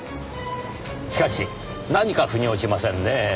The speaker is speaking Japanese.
しかし何か腑に落ちませんねぇ。